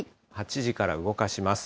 ８時から動かします。